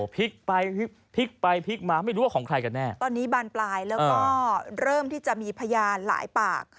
พลิกไปพลิกไปพลิกมาไม่รู้ว่าของใครกันแน่ตอนนี้บานปลายแล้วก็เริ่มที่จะมีพยานหลายปาก